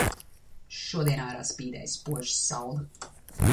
Šodien ārā spīdēja spoža saule.